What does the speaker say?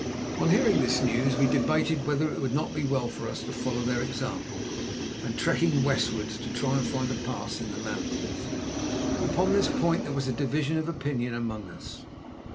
On hearing this news we debated whether it would not be well for us to follow their example and, trekking westwards, try to find a pass in the mountains. Upon this point there was a division of opinion among us.